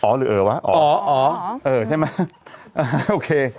อ๋ออ๋อค่ะอ๋อหรือเอ๋อวะอ๋ออ๋ออ๋อเออใช่ไหมอ่าโอเค